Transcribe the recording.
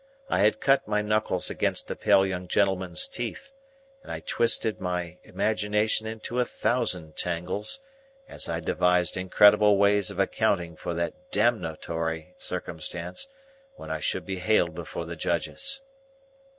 I had cut my knuckles against the pale young gentleman's teeth, and I twisted my imagination into a thousand tangles, as I devised incredible ways of accounting for that damnatory circumstance when I should be haled before the Judges.